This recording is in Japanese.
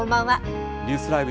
ニュースＬＩＶＥ！